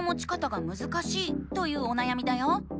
というおなやみだよ。